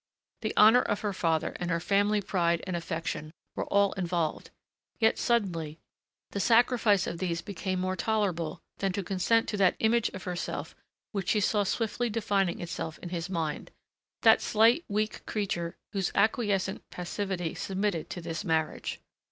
The honor of her father and her family pride and affection were all involved, yet suddenly the sacrifice of these became more tolerable than to consent to that image of herself which she saw swiftly defining itself in his mind, that slight, weak creature, whose acquiescent passivity submitted to this marriage.